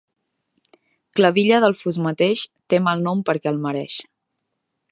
Clavilla del fust mateix té mal nom perquè el mereix.